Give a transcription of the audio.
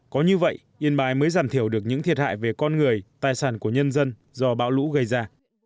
có như vậy yên bái mới giảm thiểu được những thiệt hại về con người tài sản của nhân dân do bão lũ gây ra